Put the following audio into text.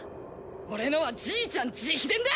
俺のはじいちゃん直伝だ！